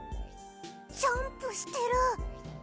ジャンプしてる。